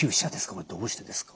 これどうしてですか？